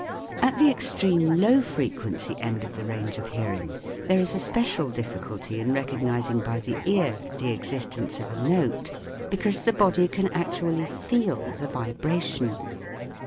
At the extreme low frequency end of the range of hearing there is a special difficulty in recognising by the ear the existence of a note because the body can actually feel the vibration.